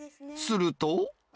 すると。